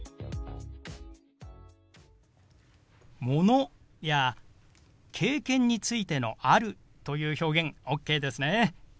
ものや経験についての「ある」という表現ＯＫですね？